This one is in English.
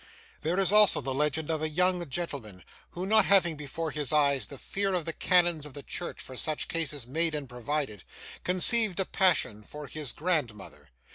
There is also a legend of a young gentleman, who, not having before his eyes the fear of the canons of the church for such cases made and provided, conceived a passion for his grandmother.